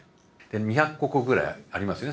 ２００か国ぐらいありますよね